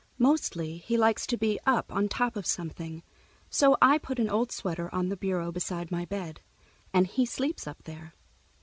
Mostly he likes to be up on top of something, so I put an old sweater on the bureau beside my bed, and he sleeps up there.